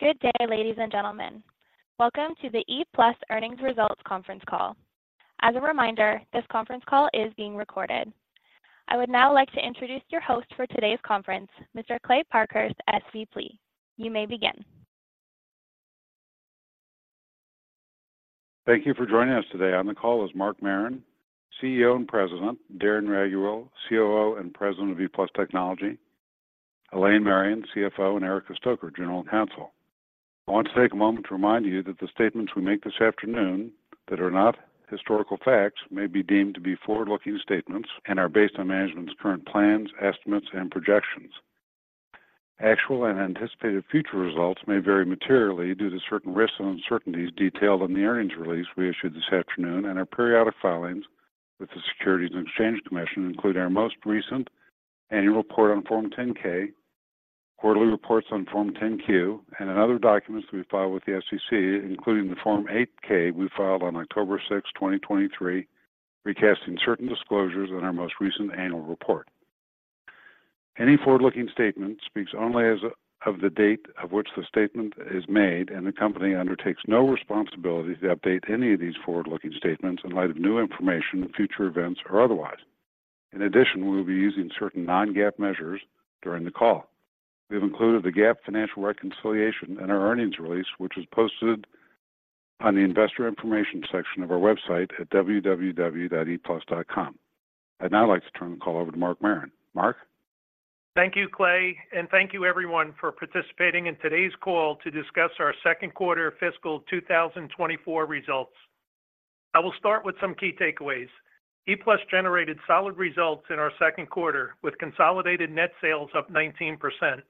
Good day, ladies and gentlemen. Welcome to the ePlus Earnings Results Conference Call. As a reminder, this conference call is being recorded. I would now like to introduce your host for today's conference, Mr. Kleyton Parkhurst. Please, you may begin. Thank you for joining us today. On the call is Mark Marron, CEO and President; Darren Raiguel, COO and President of ePlus Technology; Elaine Marion, CFO; and Erica Stoecker, General Counsel. I want to take a moment to remind you that the statements we make this afternoon that are not historical facts may be deemed to be forward-looking statements and are based on management's current plans, estimates, and projections. Actual and anticipated future results may vary materially due to certain risks and uncertainties detailed in the earnings release we issued this afternoon and our periodic filings with the Securities and Exchange Commission, including our most recent annual report on Form 10-K, quarterly reports on Form 10-Q, and in other documents we file with the SEC, including the Form 8-K we filed on October 6, 2023, recasting certain disclosures in our most recent annual report. Any forward-looking statement speaks only as of the date on which the statement is made, and the company undertakes no responsibility to update any of these forward-looking statements in light of new information, future events, or otherwise. In addition, we will be using certain non-GAAP measures during the call. We have included the GAAP financial reconciliation in our earnings release, which is posted on the investor information section of our website at www.eplus.com. I'd now like to turn the call over to Mark Marron. Mark? Thank you, Kley, and thank you everyone for participating in today's call to discuss our second quarter fiscal 2024 results. I will start with some key takeaways. ePlus generated solid results in our second quarter, with consolidated net sales up 19%.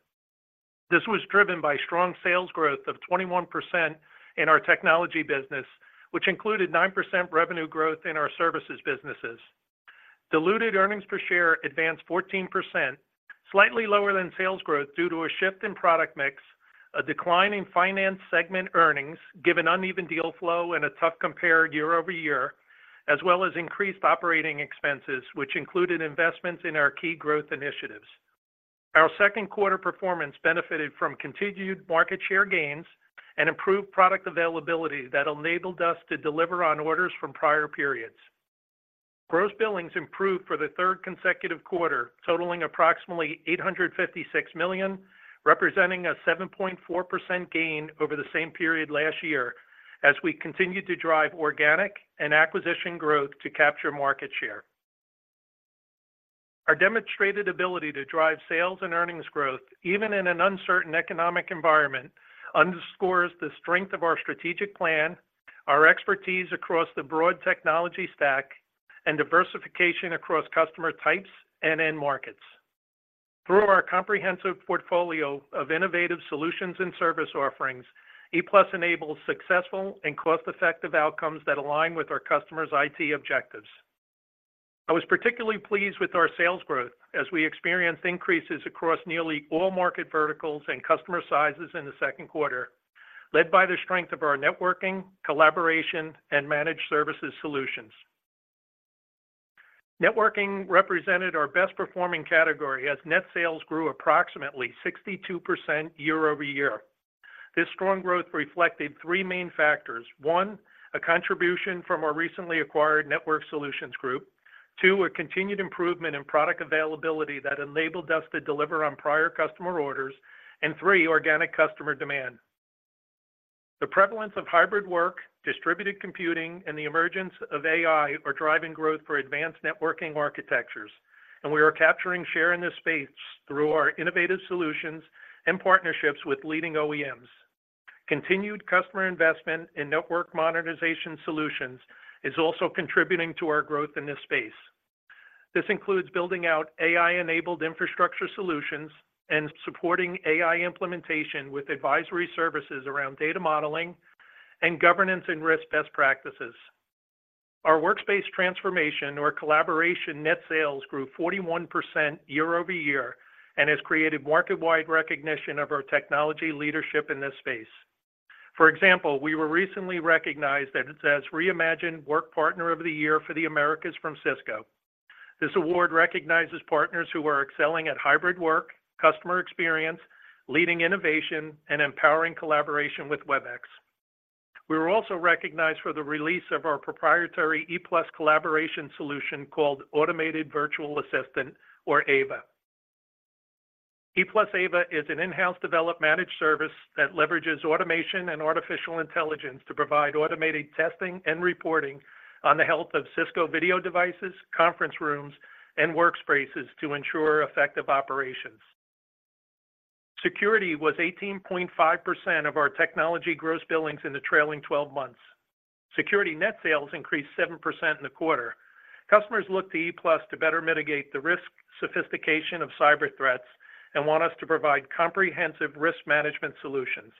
This was driven by strong sales growth of 21% in our technology business, which included 9% revenue growth in our services businesses. Diluted earnings per share advanced 14%, slightly lower than sales growth due to a shift in product mix, a decline in finance segment earnings, given uneven deal flow and a tough compare year-over-year, as well as increased operating expenses, which included investments in our key growth initiatives. Our second quarter performance benefited from continued market share gains and improved product availability that enabled us to deliver on orders from prior periods. Gross billings improved for the third consecutive quarter, totaling approximately $856 million, representing a 7.4% gain over the same period last year, as we continued to drive organic and acquisition growth to capture market share. Our demonstrated ability to drive sales and earnings growth, even in an uncertain economic environment, underscores the strength of our strategic plan, our expertise across the broad technology stack, and diversification across customer types and end markets. Through our comprehensive portfolio of innovative solutions and service offerings, ePlus enables successful and cost-effective outcomes that align with our customers' IT objectives. I was particularly pleased with our sales growth as we experienced increases across nearly all market verticals and customer sizes in the second quarter, led by the strength of our networking, collaboration, and managed services solutions. Networking represented our best-performing category as net sales grew approximately 62% year-over-year. This strong growth reflected three main factors: one, a contribution from our recently acquired Network Solutions Group; two, a continued improvement in product availability that enabled us to deliver on prior customer orders; and three, organic customer demand. The prevalence of hybrid work, distributed computing, and the emergence of AI are driving growth for advanced networking architectures, and we are capturing share in this space through our innovative solutions and partnerships with leading OEMs. Continued customer investment in network modernization solutions is also contributing to our growth in this space. This includes building out AI-enabled infrastructure solutions and supporting AI implementation with advisory services around data modeling and governance and risk best practices. Our workspace transformation or collaboration net sales grew 41% year-over-year and has created market-wide recognition of our technology leadership in this space. For example, we were recently recognized as Reimagine Work Partner of the Year for the Americas from Cisco. This award recognizes partners who are excelling at hybrid work, customer experience, leading innovation, and empowering collaboration with Webex. We were also recognized for the release of our proprietary ePlus collaboration solution called Automated Virtual Assistant or AVA. ePlus AVA is an in-house developed managed service that leverages automation and artificial intelligence to provide automated testing and reporting on the health of Cisco video devices, conference rooms, and workspaces to ensure effective operations. Security was 18.5% of our technology gross billings in the trailing twelve months. Security net sales increased 7% in the quarter. Customers look to ePlus to better mitigate the risk, sophistication of cyber threats, and want us to provide comprehensive risk management solutions.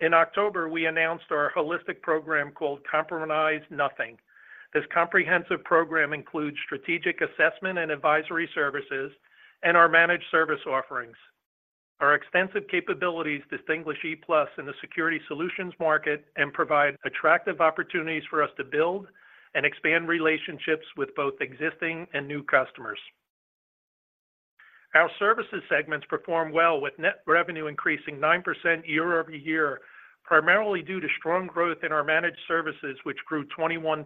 In October, we announced our holistic program called Compromise Nothing. This comprehensive program includes strategic assessment and advisory services and our managed service offerings. Our extensive capabilities distinguish ePlus in the security solutions market and provide attractive opportunities for us to build and expand relationships with both existing and new customers.... Our services segments performed well, with net revenue increasing 9% year-over-year, primarily due to strong growth in our managed services, which grew 21%.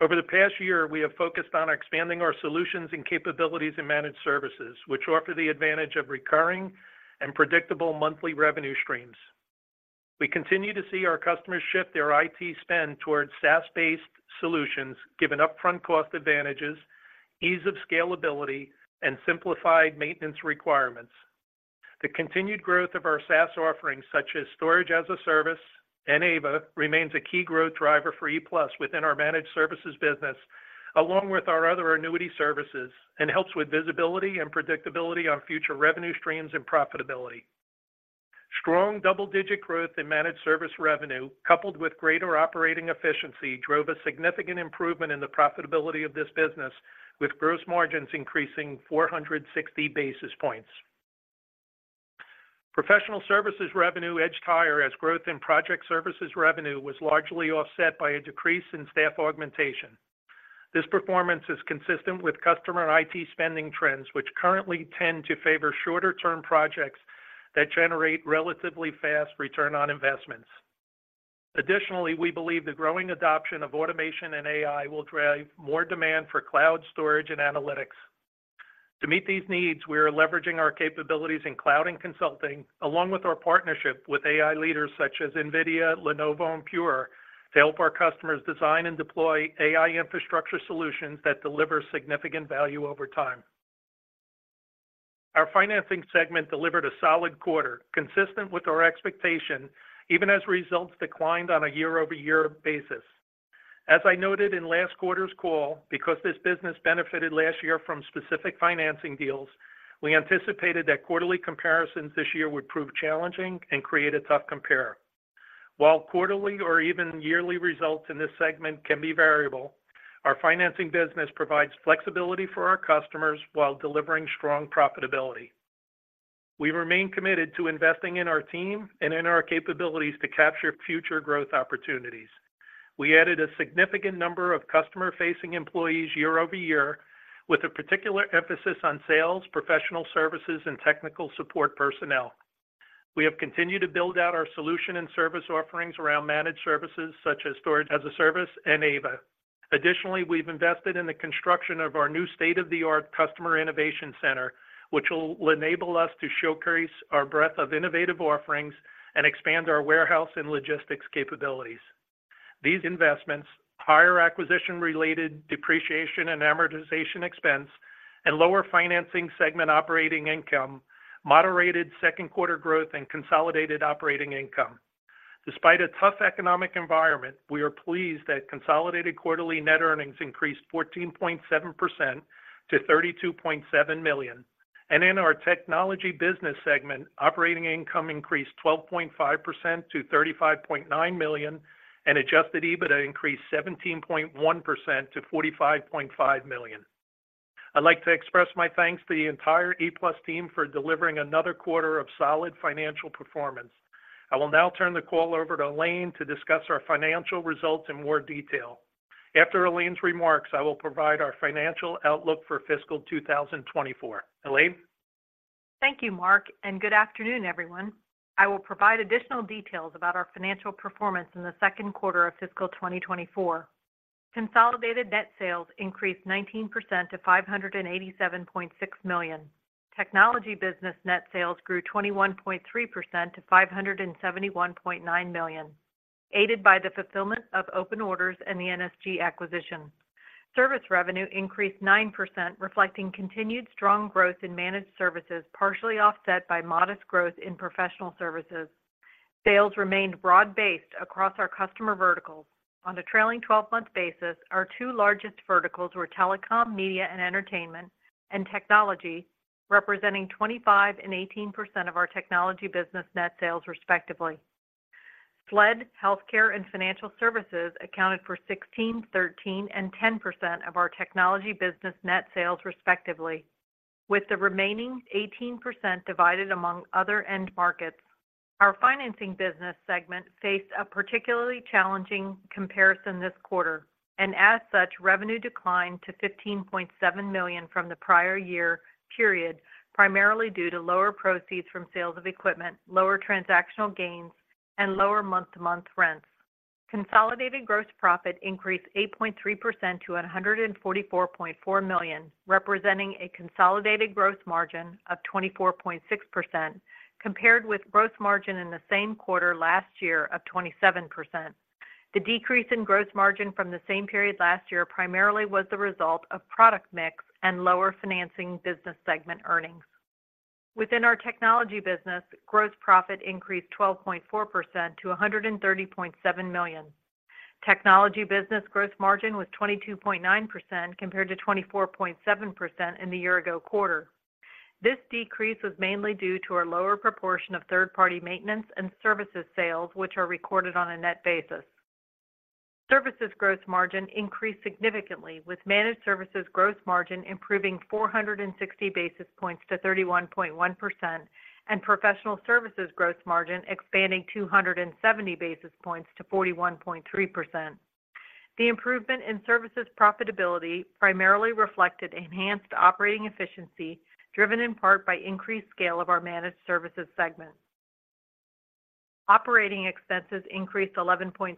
Over the past year, we have focused on expanding our solutions and capabilities in managed services, which offer the advantage of recurring and predictable monthly revenue streams. We continue to see our customers shift their IT spend towards SaaS-based solutions, given upfront cost advantages, ease of scalability, and simplified maintenance requirements. The continued growth of our SaaS offerings, such as Storage as a Service and AVA, remains a key growth driver for ePlus within our managed services business, along with our other annuity services, and helps with visibility and predictability on future revenue streams and profitability. Strong double-digit growth in managed service revenue, coupled with greater operating efficiency, drove a significant improvement in the profitability of this business, with gross margins increasing 460 basis points. Professional services revenue edged higher as growth in project services revenue was largely offset by a decrease in staff augmentation. This performance is consistent with customer IT spending trends, which currently tend to favor shorter-term projects that generate relatively fast return on investments. Additionally, we believe the growing adoption of automation and AI will drive more demand for cloud storage and analytics. To meet these needs, we are leveraging our capabilities in cloud and consulting, along with our partnership with AI leaders such as NVIDIA, Lenovo, and Pure, to help our customers design and deploy AI infrastructure solutions that deliver significant value over time. Our financing segment delivered a solid quarter, consistent with our expectation, even as results declined on a year-over-year basis. As I noted in last quarter's call, because this business benefited last year from specific financing deals, we anticipated that quarterly comparisons this year would prove challenging and create a tough compare. While quarterly or even yearly results in this segment can be variable, our financing business provides flexibility for our customers while delivering strong profitability. We remain committed to investing in our team and in our capabilities to capture future growth opportunities. We added a significant number of customer-facing employees year-over-year, with a particular emphasis on sales, professional services, and technical support personnel. We have continued to build out our solution and service offerings around managed services, such as Storage as a Service and AVA. Additionally, we've invested in the construction of our new state-of-the-art Customer Innovation Center, which will enable us to showcase our breadth of innovative offerings and expand our warehouse and logistics capabilities. These investments, higher acquisition-related depreciation and amortization expense, and lower financing segment operating income, moderated second quarter growth and consolidated operating income. Despite a tough economic environment, we are pleased that consolidated quarterly net earnings increased 14.7% to $32.7 million, and in our technology business segment, operating income increased 12.5% to $35.9 million, and Adjusted EBITDA increased 17.1% to $45.5 million. I'd like to express my thanks to the entire ePlus team for delivering another quarter of solid financial performance. I will now turn the call over to Elaine to discuss our financial results in more detail. After Elaine's remarks, I will provide our financial outlook for fiscal 2024. Elaine? Thank you, Mark, and good afternoon, everyone. I will provide additional details about our financial performance in the second quarter of fiscal 2024. Consolidated net sales increased 19% to $587.6 million. Technology business net sales grew 21.3% to $571.9 million, aided by the fulfillment of open orders and the NSG acquisition. Service revenue increased 9%, reflecting continued strong growth in managed services, partially offset by modest growth in professional services. Sales remained broad-based across our customer verticals. On a trailing-twelve-month basis, our two largest verticals were telecom, media, and entertainment, and technology, representing 25% and 18% of our technology business net sales, respectively. SLED, healthcare, and financial services accounted for 16%, 13%, and 10% of our technology business net sales, respectively, with the remaining 18% divided among other end markets. Our financing business segment faced a particularly challenging comparison this quarter, and as such, revenue declined to $15.7 million from the prior year period, primarily due to lower proceeds from sales of equipment, lower transactional gains, and lower month-to-month rents. Consolidated gross profit increased 8.3% to $144.4 million, representing a consolidated gross margin of 24.6%, compared with gross margin in the same quarter last year of 27%. The decrease in gross margin from the same period last year primarily was the result of product mix and lower financing business segment earnings. Within our technology business, gross profit increased 12.4% to $130.7 million. Technology business gross margin was 22.9%, compared to 24.7% in the year-ago quarter. This decrease was mainly due to a lower proportion of third-party maintenance and services sales, which are recorded on a net basis. Services gross margin increased significantly, with managed services gross margin improving 460 basis points to 31.1%, and professional services gross margin expanding 270 basis points to 41.3%. The improvement in services profitability primarily reflected enhanced operating efficiency, driven in part by increased scale of our managed services segment. Operating expenses increased 11.6%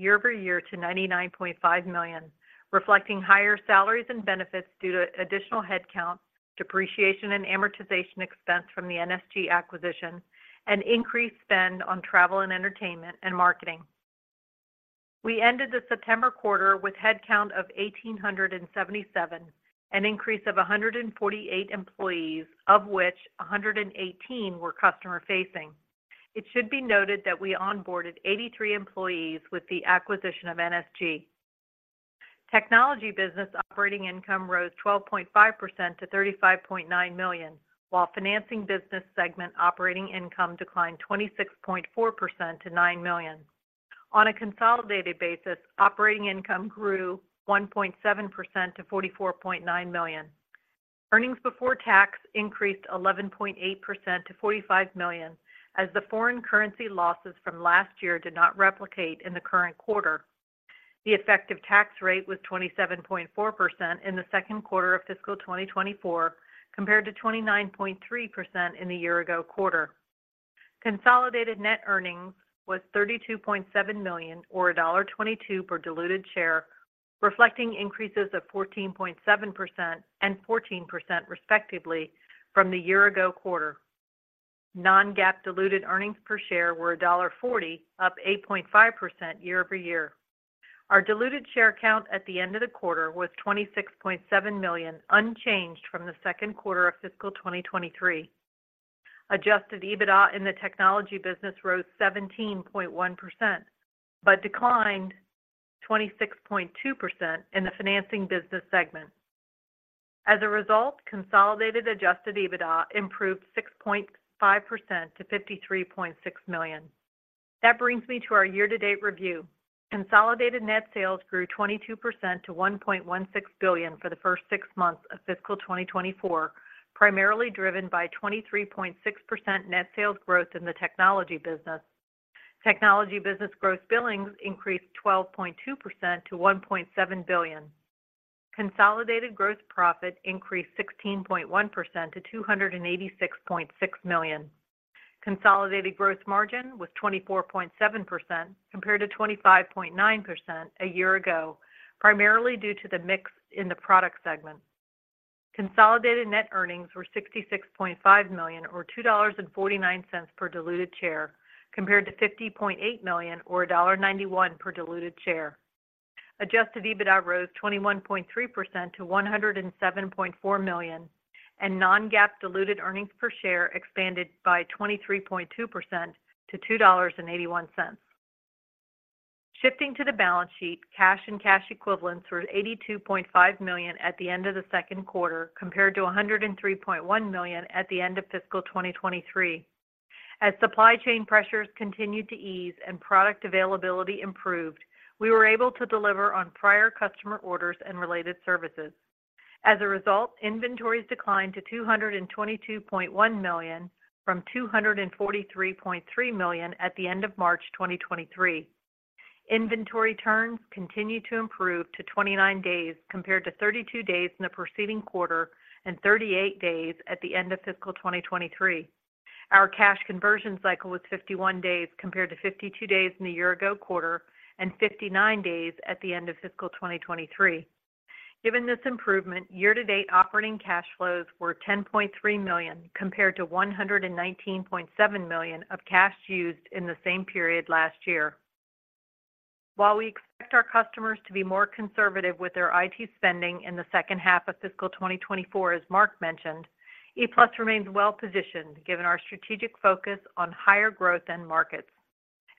year-over-year to $99.5 million, reflecting higher salaries and benefits due to additional headcount, depreciation and amortization expense from the NSG acquisition, and increased spend on travel and entertainment, and marketing. We ended the September quarter with headcount of 1,877, an increase of 148 employees, of which 118 were customer-facing. It should be noted that we onboarded 83 employees with the acquisition of NSG. Technology business operating income rose 12.5% to $35.9 million, while financing business segment operating income declined 26.4% to $9 million. On a consolidated basis, operating income grew 1.7% to $44.9 million. Earnings before tax increased 11.8% to $45 million, as the foreign currency losses from last year did not replicate in the current quarter. The effective tax rate was 27.4% in the second quarter of fiscal 2024, compared to 29.3% in the year-ago quarter. Consolidated net earnings was $32.7 million, or $1.22 per diluted share, reflecting increases of 14.7% and 14% respectively from the year-ago quarter. Non-GAAP diluted earnings per share were $1.40, up 8.5% year-over-year. Our diluted share count at the end of the quarter was 26.7 million, unchanged from the second quarter of fiscal 2023. Adjusted EBITDA in the technology business rose 17.1%, but declined 26.2% in the financing business segment. As a result, consolidated Adjusted EBITDA improved 6.5% to $53.6 million. That brings me to our year-to-date review. Consolidated net sales grew 22% to $1.16 billion for the first six months of fiscal 2024, primarily driven by 23.6% net sales growth in the technology business. Technology business growth billings increased 12.2% to $1.7 billion. Consolidated gross profit increased 16.1% to $286.6 million. Consolidated gross margin was 24.7%, compared to 25.9% a year-ago, primarily due to the mix in the product segment. Consolidated net earnings were $66.5 million, or $2.49 per diluted share, compared to $50.8 million or $1.91 per diluted share. Adjusted EBITDA rose 21.3% to $107.4 million, and non-GAAP diluted earnings per share expanded by 23.2% to $2.81. Shifting to the balance sheet, cash and cash equivalents were $82.5 million at the end of the second quarter, compared to $103.1 million at the end of fiscal 2023. As supply chain pressures continued to ease and product availability improved, we were able to deliver on prior customer orders and related services. As a result, inventories declined to $222.1 million from $243.3 million at the end of March 2023. Inventory turns continued to improve to 29 days, compared to 32 days in the preceding quarter and 38 days at the end of fiscal 2023. Our cash conversion cycle was 51 days, compared to 52 days in the year-ago quarter and 59 days at the end of fiscal 2023. Given this improvement, year-to-date operating cash flows were $10.3 million, compared to $119.7 million of cash used in the same period last year. While we expect our customers to be more conservative with their IT spending in the second half of fiscal 2024, as Mark mentioned, ePlus remains well positioned, given our strategic focus on higher growth end markets.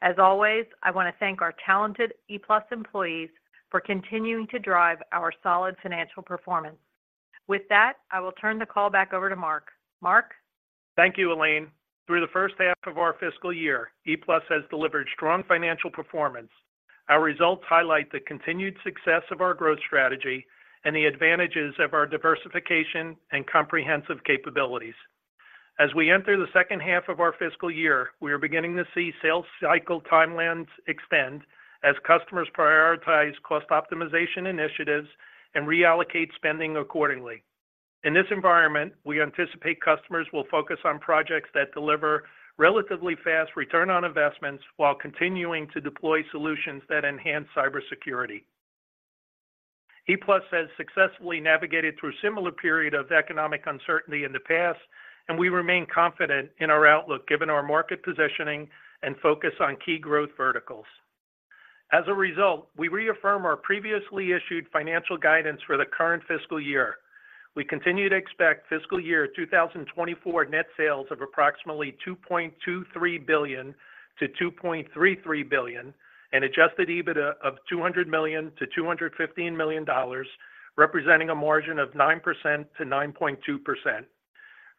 As always, I want to thank our talented ePlus employees for continuing to drive our solid financial performance. With that, I will turn the call back over to Mark. Mark? Thank you, Elaine. Through the first half of our fiscal year, ePlus has delivered strong financial performance. Our results highlight the continued success of our growth strategy and the advantages of our diversification and comprehensive capabilities. As we enter the second half of our fiscal year, we are beginning to see sales cycle timelines extend as customers prioritize cost optimization initiatives and reallocate spending accordingly. In this environment, we anticipate customers will focus on projects that deliver relatively fast return on investments while continuing to deploy solutions that enhance cybersecurity. ePlus has successfully navigated through a similar period of economic uncertainty in the past, and we remain confident in our outlook, given our market positioning and focus on key growth verticals. As a result, we reaffirm our previously issued financial guidance for the current fiscal year. We continue to expect fiscal year 2024 net sales of approximately $2.23 billion-$2.33 billion, and Adjusted EBITDA of $200 million-$215 million, representing a margin of 9%-9.2%.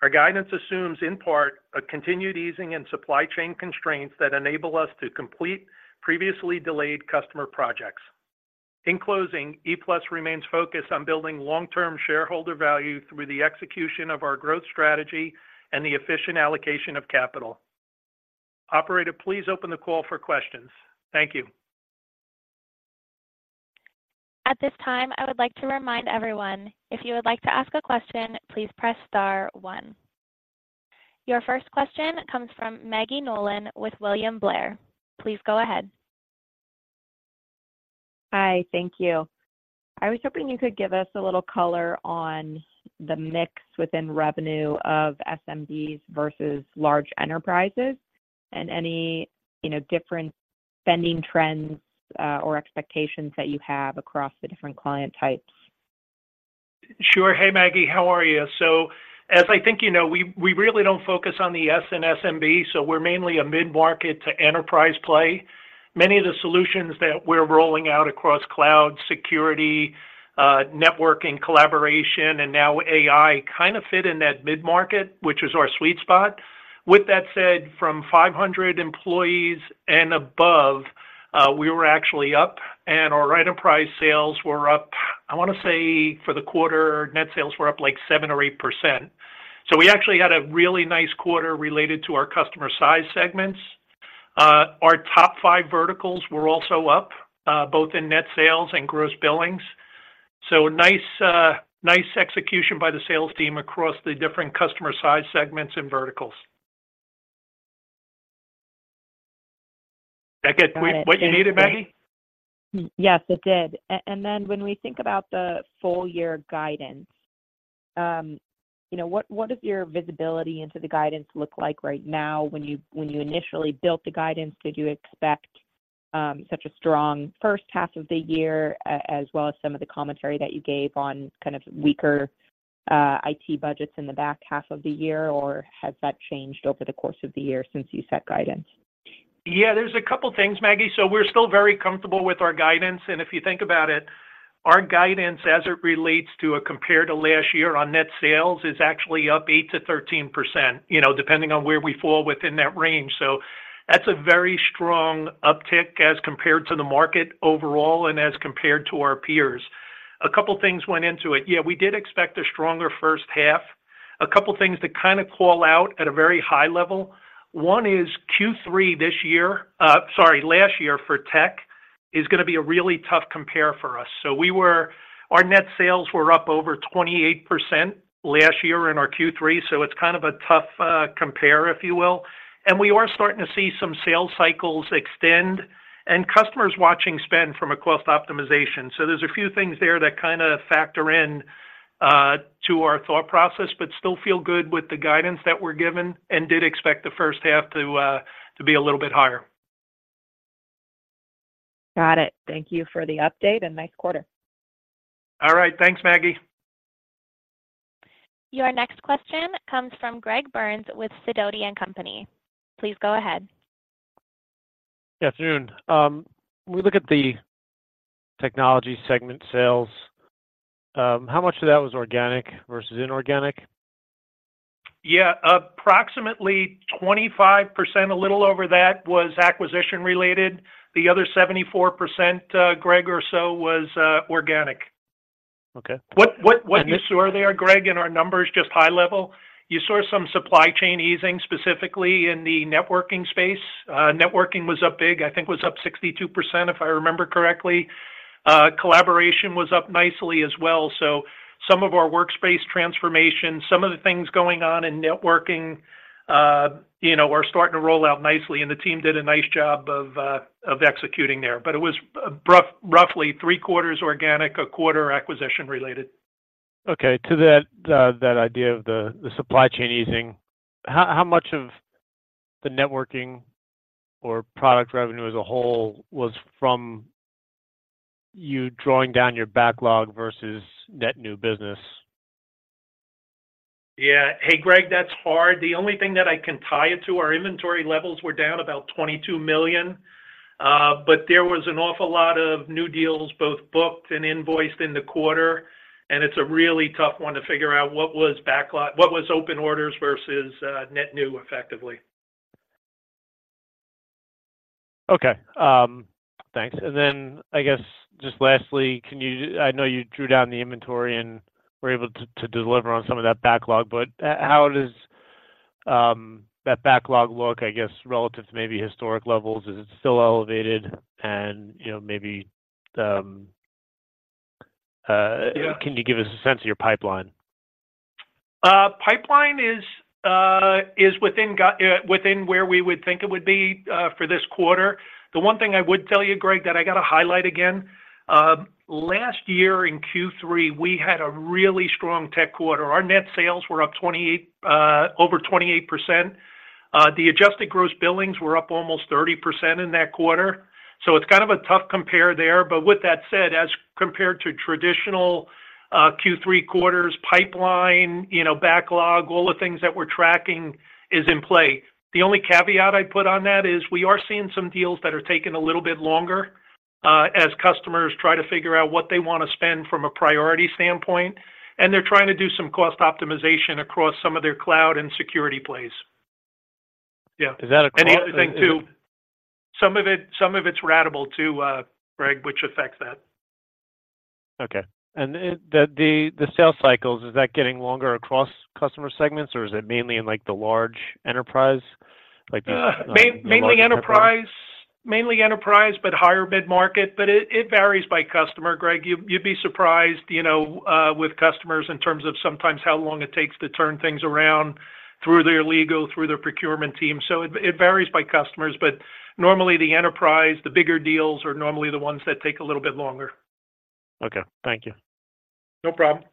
Our guidance assumes, in part, a continued easing in supply chain constraints that enable us to complete previously delayed customer projects. In closing, ePlus remains focused on building long-term shareholder value through the execution of our growth strategy and the efficient allocation of capital.... Operator, please open the call for questions. Thank you. At this time, I would like to remind everyone, if you would like to ask a question, please press star one. Your first question comes from Maggie Nolan with William Blair. Please go ahead. Hi, thank you. I was hoping you could give us a little color on the mix within revenue of SMBs versus large enterprises, and any, you know, different spending trends, or expectations that you have across the different client types. Sure. Hey, Maggie, how are you? So as I think you know, we really don't focus on the SLED and SMB, so we're mainly a mid-market to enterprise play. Many of the solutions that we're rolling out across cloud, security, networking, collaboration, and now AI, kind of fit in that mid-market, which is our sweet spot. With that said, from 500 employees and above, we were actually up, and our enterprise sales were up. I wanna say for the quarter, net sales were up, like, 7%-8%. So we actually had a really nice quarter related to our customer size segments. Our top 5 verticals were also up, both in net sales and gross billings. So nice, nice execution by the sales team across the different customer size segments and verticals. Did I get what you needed, Maggie? Yes, it did. And then when we think about the full year guidance, you know, what, what does your visibility into the guidance look like right now? When you, when you initially built the guidance, did you expect such a strong first half of the year, as well as some of the commentary that you gave on kind of weaker IT budgets in the back half of the year, or has that changed over the course of the year since you set guidance? Yeah, there's a couple things, Maggie. So we're still very comfortable with our guidance, and if you think about it, our guidance, as it relates to a compared to last year on net sales, is actually up 8%-13%, you know, depending on where we fall within that range. So that's a very strong uptick as compared to the market overall and as compared to our peers. A couple things went into it. Yeah, we did expect a stronger first half. A couple things to kind of call out at a very high level. One is Q3 this year. Sorry, last year for tech is gonna be a really tough compare for us. So our net sales were up over 28% last year in our Q3, so it's kind of a tough compare, if you will. We are starting to see some sales cycles extend, and customers watching spend from a cost optimization. So there's a few things there that kinda factor in to our thought process, but still feel good with the guidance that we're given and did expect the first half to be a little bit higher. Got it. Thank you for the update, and nice quarter. All right, thanks, Maggie. Your next question comes from Greg Burns with Sidoti & Company. Please go ahead. Good afternoon. When we look at the technology segment sales, how much of that was organic versus inorganic? Yeah, approximately 25%, a little over that, was acquisition-related. The other 74%, Greg, or so, was organic. Okay. What you saw there, Greg, in our numbers, just high level. You saw some supply chain easing, specifically in the networking space. Networking was up big, I think it was up 62%, if I remember correctly. Collaboration was up nicely as well. So some of our workspace transformation, some of the things going on in networking, you know, are starting to roll out nicely, and the team did a nice job of executing there. But it was roughly three-quarters organic, a quarter acquisition-related. Okay, to that idea of the supply chain easing, how much of the networking or product revenue as a whole was from you drawing down your backlog versus net new business? Yeah. Hey, Greg, that's hard. The only thing that I can tie it to, our inventory levels were down about $22 million, but there was an awful lot of new deals, both booked and invoiced in the quarter, and it's a really tough one to figure out what was backlog, what was open orders versus net new, effectively. Okay. Thanks. And then I guess, just lastly, can you—I know you drew down the inventory and were able to deliver on some of that backlog, but how does that backlog look, I guess, relative to maybe historic levels? Is it still elevated? And, you know, maybe, Can you give us a sense of your pipeline? Pipeline is within where we would think it would be for this quarter. The one thing I would tell you, Greg, that I got to highlight again, last year in Q3, we had a really strong tech quarter. Our net sales were up 28, over 28%. The adjusted gross billings were up almost 30% in that quarter. So it's kind of a tough compare there, but with that said, as compared to traditional, Q3 quarters, pipeline, you know, backlog, all the things that we're tracking is in play. The only caveat I'd put on that is we are seeing some deals that are taking a little bit longer, as customers try to figure out what they want to spend from a priority standpoint, and they're trying to do some cost optimization across some of their cloud and security plays. Yeah is that a- Another thing, too, some of it, some of it's ratable too, Greg, which affects that.... Okay, and the sales cycles, is that getting longer across customer segments, or is it mainly in, like, the large enterprise, like the- Yeah, mainly enterprise. Mainly enterprise, but higher mid-market, but it, it varies by customer, Greg. You, you'd be surprised, you know, with customers in terms of sometimes how long it takes to turn things around through their legal, through their procurement team. So it, it varies by customers, but normally the enterprise, the bigger deals are normally the ones that take a little bit longer. Okay. Thank you. No problem.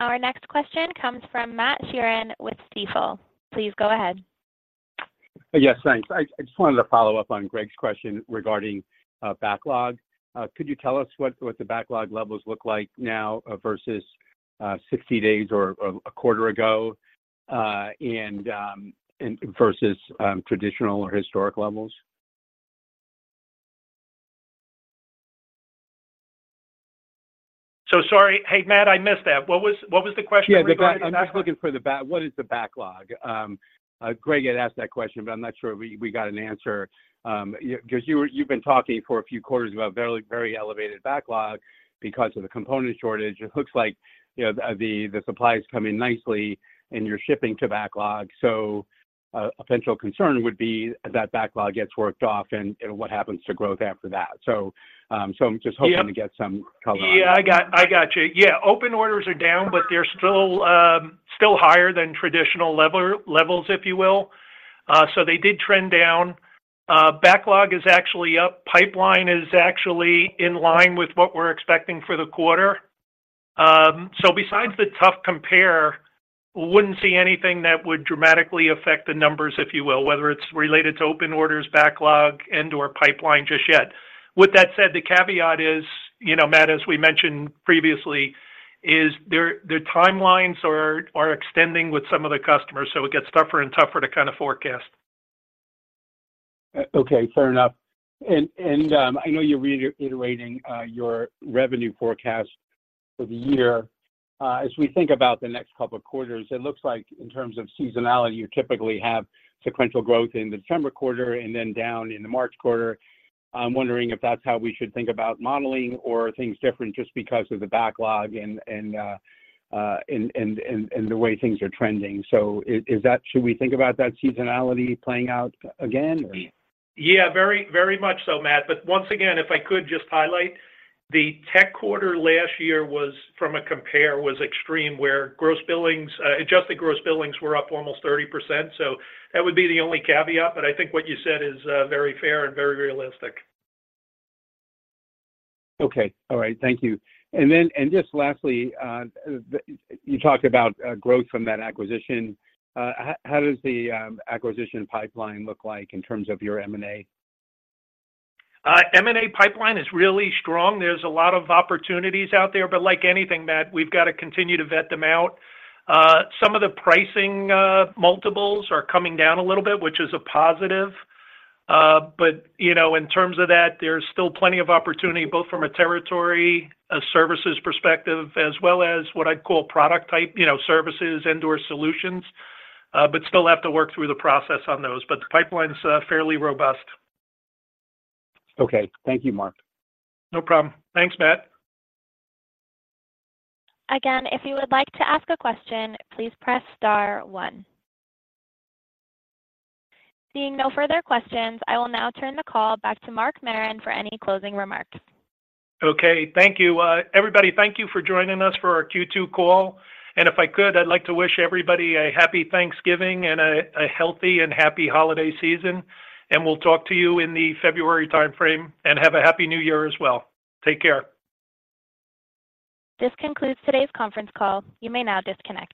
Our next question comes from Matt Sheerin with Stifel. Please go ahead. Yes, thanks. I just wanted to follow up on Greg's question regarding backlog. Could you tell us what the backlog levels look like now versus 60 days or a quarter ago, and versus traditional or historic levels? So sorry. Hey, Matt, I missed that. What was the question regarding- Yeah, I'm just looking for the backlog. What is the backlog? Greg had asked that question, but I'm not sure we got an answer. 'Cause you've been talking for a few quarters about very, very elevated backlog because of the component shortage. It looks like, you know, the supply is coming nicely and you're shipping to backlog. So a potential concern would be as that backlog gets worked off and what happens to growth after that? So I'm just hoping- Yeah to get some color. Yeah, I got you. Yeah, open orders are down, but they're still, still higher than traditional level, levels, if you will. So they did trend down. Backlog is actually up. Pipeline is actually in line with what we're expecting for the quarter. So besides the tough compare, we wouldn't see anything that would dramatically affect the numbers, if you will, whether it's related to open orders, backlog, and/or pipeline just yet. With that said, the caveat is, you know, Matt, as we mentioned previously, their timelines are extending with some of the customers, so it gets tougher and tougher to kind of forecast. Okay, fair enough. And I know you're reiterating your revenue forecast for the year. As we think about the next couple of quarters, it looks like in terms of seasonality, you typically have sequential growth in the December quarter and then down in the March quarter. I'm wondering if that's how we should think about modeling, or are things different just because of the backlog and the way things are trending. So is that—should we think about that seasonality playing out again or? Yeah, very, very much so, Matt. But once again, if I could just highlight, the tech quarter last year was, from a compare, was extreme, where gross billings, adjusted gross billings were up almost 30%. So that would be the only caveat, but I think what you said is, very fair and very realistic. Okay. All right. Thank you. And then, and just lastly, you talked about growth from that acquisition. How does the acquisition pipeline look like in terms of your M&A? M&A pipeline is really strong. There's a lot of opportunities out there, but like anything, Matt, we've got to continue to vet them out. Some of the pricing multiples are coming down a little bit, which is a positive. But, you know, in terms of that, there's still plenty of opportunity, both from a territory, a services perspective, as well as what I'd call product type, you know, services and/or solutions, but still have to work through the process on those. But the pipeline's fairly robust. Okay. Thank you, Mark. No problem. Thanks, Matt. Again, if you would like to ask a question, please press star one. Seeing no further questions, I will now turn the call back to Mark Marron for any closing remarks. Okay, thank you. Everybody, thank you for joining us for our Q2 call, and if I could, I'd like to wish everybody a Happy Thanksgiving and a healthy and happy holiday season, and we'll talk to you in the February timeframe, and have a Happy New Year as well. Take care. This concludes today's conference call. You may now disconnect.